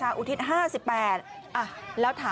ไม่ได้